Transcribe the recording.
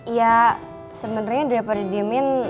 iya sebenernya daripada di diemin